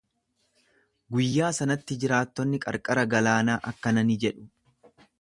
Guyyaa sanatti jiraattonni qarqara galaanaa akkana ni jedhu.